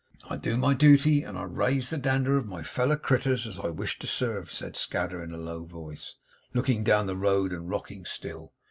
'I do my duty; and I raise the dander of my feller critters, as I wish to serve,' said Scadder in a low voice, looking down the road and rocking still.